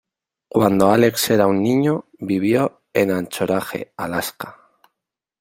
Cuando Alex era un niño, vivió en Anchorage, Alaska.